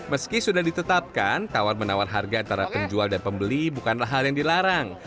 meski sudah ditetapkan tawar menawar harga antara penjual dan pembeli bukanlah hal yang dilarang